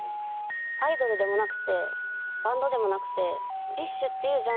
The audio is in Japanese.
アイドルでもなくてバンドでもなくて。